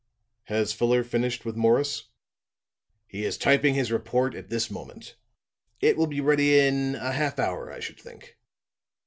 "Has Fuller finished with Morris?" "He is typing his report at this moment. It will be ready in a half hour, I should think."